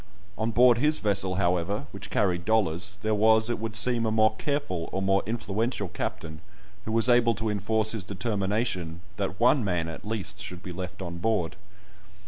On board his vessel, however, which carried dollars, there was, it would seem, a more careful, or more influential captain, who was able to enforce his determination that one man, at least, should be left on board.